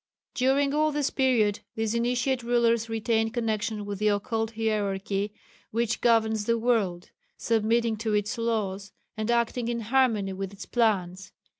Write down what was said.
During all this period these Initiate rulers retained connection with the Occult Hierarchy which governs the world, submitting to its laws, and acting in harmony with its plans.